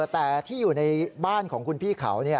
แต่ที่อยู่ในบ้านของคุณพี่เขา